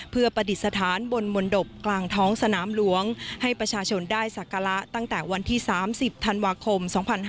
เพื่อประดิษฐานบนมนตบกลางท้องสนามหลวงให้ประชาชนได้สักการะตั้งแต่วันที่๓๐ธันวาคม๒๕๕๙